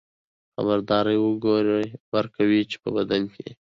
خبرداری ورکوي چې په بدن کې